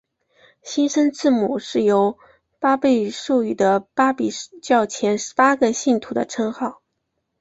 新生字母是由巴孛授予的巴比教前十八个信徒的称号。